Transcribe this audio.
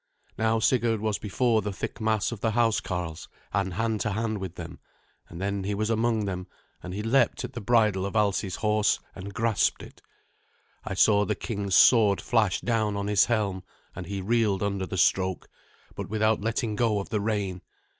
Now Sigurd was before the thick mass of the housecarls, and hand to hand with them; and then he was among them, and he leapt at the bridle of Alsi's horse and grasped it. I saw the king's sword flash down on his helm, and he reeled under the stroke, but without letting go of the rein.